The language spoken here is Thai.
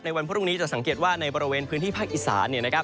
วันพรุ่งนี้จะสังเกตว่าในบริเวณพื้นที่ภาคอีสาน